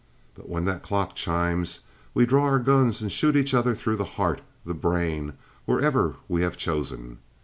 But when the clock chimes, we draw our guns and shoot each other through the heart the brain wherever we have chosen.